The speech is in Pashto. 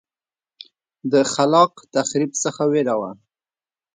د خلاق تخریب څخه وېره وه.